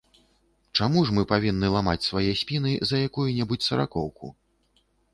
Чаму ж мы павінны ламаць свае спіны за якую-небудзь саракоўку?